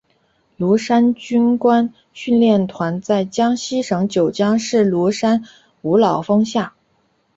庐山军官训练团在江西省九江市庐山五老峰下。